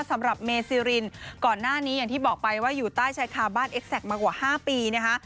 สำหรับเมซิรินก่อนหน้านี้อย่างที่บอกไปว่าอยู่ใต้ชายคาบ้านเอ็กแซคมากว่า๕ปีนะคะ